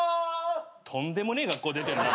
とんでもねえ学校出てんな。